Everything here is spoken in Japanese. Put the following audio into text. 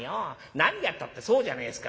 何がったってそうじゃねえですか。